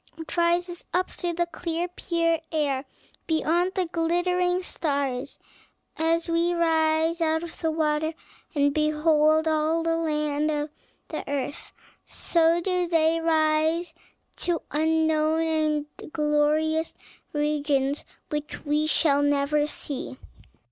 It rises up through the clear, pure air beyond the glittering stars. As we rise out of the water, and behold all the land of the earth, so do they rise to unknown and glorious regions which we shall never see."